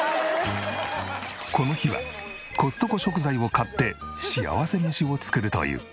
この日はコストコ食材を買ってしあわせ飯を作るという。